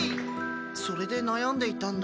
それでなやんでいたんだ。